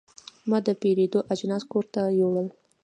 ما د پیرود اجناس کور ته یوړل.